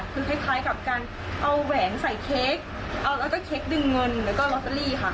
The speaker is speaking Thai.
มันคล้ายกับการเอาแหวนใส่เค้กแล้วก็เค้กดึงเงินแล้วก็ลอตเตอรี่ค่ะ